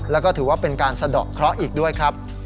แล้วก็ถือว่าเป็นการสะดอกเคราะห์อีกด้วยครับ